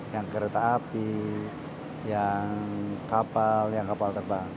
yang kereta api yang kapal yang kapal terbang